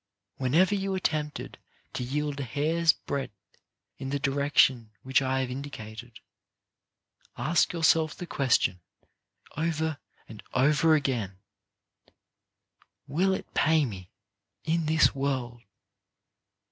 Whenever you are tempted to yield a hair's breadth in the direc tion which I have indicated, ask yourself the question over and over again :" Will it pay me in this world